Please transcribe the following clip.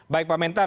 baik pak mentang